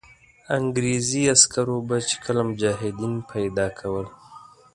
انګرېزي عسکرو به چې کله مجاهدین پیدا کول.